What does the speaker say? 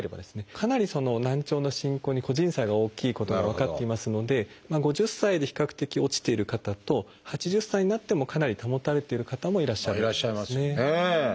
かなり難聴の進行に個人差が大きいことが分かっていますので５０歳で比較的落ちている方と８０歳になってもかなり保たれている方もいらっしゃるということですね。